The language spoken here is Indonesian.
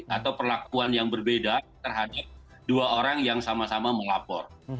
atau perlakuan yang berbeda terhadap dua orang yang sama sama melapor